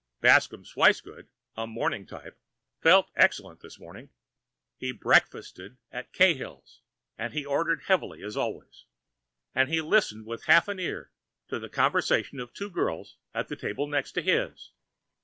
Bascomb Swicegood, a morning type, felt excellent this morning. He breakfasted at Cahill's, and he ordered heavily as always. And he listened with half an ear to the conversation of two girls at the table next to his.